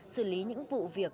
xử lý những vụ việc